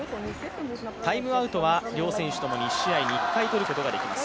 タイムアウトは、両選手ともに１試合に１回、取ることができます。